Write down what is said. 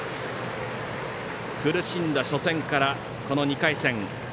苦しんだ初戦から、この２回戦。